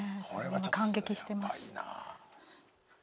今感激してます。